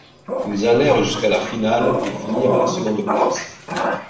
Ils allèrent jusqu'à la finale, et finirent à la seconde place.